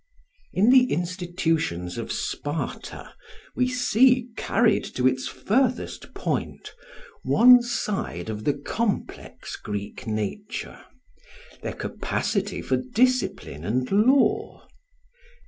In the institutions of Sparta we see, carried to its furthest point, one side of the complex Greek nature their capacity for discipline and law.